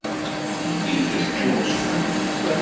Кие тесэ чумось?